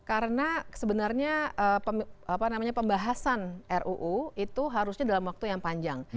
karena sebenarnya pembahasan ruu itu harusnya dalam waktu yang panjang